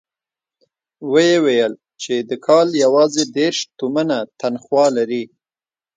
ويې ويل چې د کال يواځې دېرش تومنه تنخوا لري.